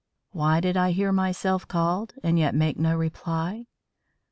Why did I hear myself called and yet make no reply?